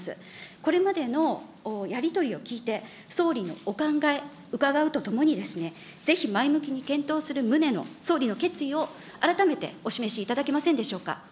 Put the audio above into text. これまでのやり取りを聞いて、総理のお考え、伺うとともに、ぜひ前向きに検討する旨の、総理の決意を改めてお示しいただけませんでしょうか。